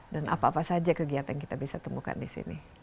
dan apa apa saja kegiatan kita bisa temukan di sini